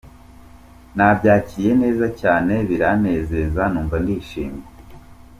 Nabyakiriye neza cyane, biranezeza numva ndishimye.